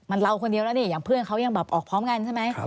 มันเราคนเดียวแล้วนี่อย่างเพื่อนเขายังแบบออกพร้อมกันใช่ไหม